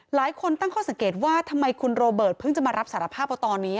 หลายคนตั้งข้อสังเกตว่าทำไมคุณโรเบิร์ตเพิ่งจะมารับสารภาพว่าตอนนี้